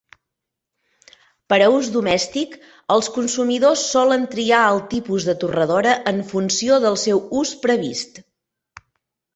Per a ús domèstic, els consumidors solen triar el tipus de torradora en funció del seu ús previst.